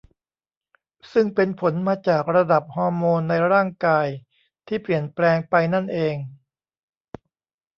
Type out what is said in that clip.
ซึ่งเป็นผลมาจากระดับฮอร์โมนในร่างกายที่เปลี่ยนแปลงไปนั่นเอง